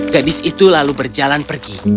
gadis itu lalu berjalan pergi